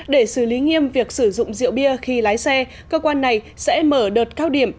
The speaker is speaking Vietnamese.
để xử lý nghiêm việc sử dụng rượu bia khi lái xe cơ quan này sẽ mở đợt cao điểm